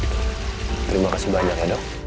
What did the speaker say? terima kasih banyak ya dok